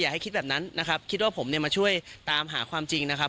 ให้คิดแบบนั้นนะครับคิดว่าผมเนี่ยมาช่วยตามหาความจริงนะครับ